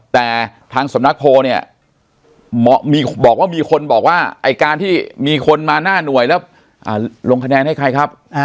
แต่ทางสำนักโพลนี้บอกว่าอีการที่มีคนมาหน้าน่วยแล้วลงคะแนนไงให้ครับ